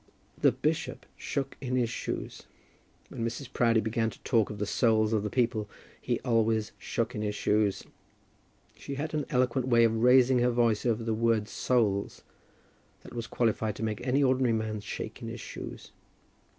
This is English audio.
The bishop shook in his shoes. When Mrs. Proudie began to talk of the souls of the people he always shook in his shoes. She had an eloquent way of raising her voice over the word souls that was qualified to make any ordinary man shake in his shoes.